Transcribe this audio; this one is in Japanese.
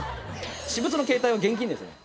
私物の携帯は厳禁ですね。